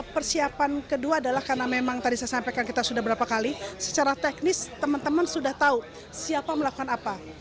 persiapan kedua adalah karena memang tadi saya sampaikan kita sudah berapa kali secara teknis teman teman sudah tahu siapa melakukan apa